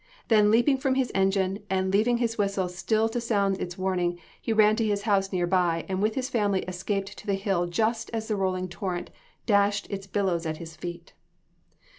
Then leaping from his engine, and leaving his whistle still to sound its warning, he ran to his house near by, and with his family escaped to the hill just as the rolling torrent dashed its billows at his feet.